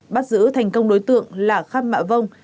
bắt giữ thành công đối tượng là kham mạ vông